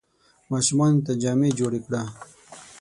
ماشومانو ته جامې جوړي کړه !